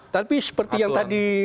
tapi seperti yang tadi